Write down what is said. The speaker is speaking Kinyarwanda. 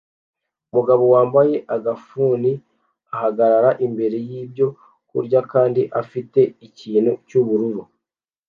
Umugabo wambaye agafuni ahagarara imbere yibyo kurya kandi afite ikintu cyubururu